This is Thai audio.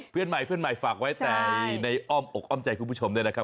เพื่อนใหม่ผมฝากไว้ในอ้อมต้นใจคุณคุณป่า